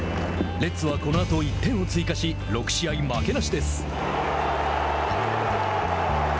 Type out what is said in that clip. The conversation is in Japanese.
レッズは、このあと１点を追加し６試合負けなしです。